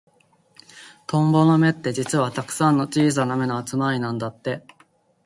トンボの目って、実はたくさんの小さな目の集まりなんだって。